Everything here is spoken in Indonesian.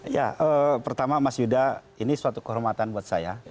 ya pertama mas yuda ini suatu kehormatan buat saya